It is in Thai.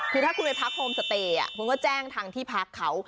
คือถ้าคุณไปพักโฮมสเตย์คุณก็แจ้งทางที่พักเขา